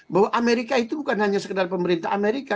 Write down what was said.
bahwa amerika itu bukan hanya sekedar pemerintah amerika